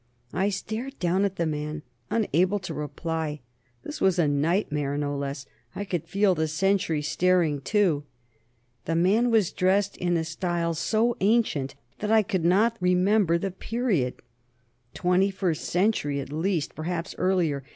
I stared down at the man, unable to reply. This was a nightmare; no less. I could feel the sentry staring, too. The man was dressed in a style so ancient that I could not remember the period: Twenty first Century, at least; perhaps earlier.